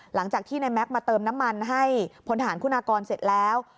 หลังจากที่ในแม็กซ์มาเติมน้ำมันให้พลฐานคุณากรเสร็จแล้ว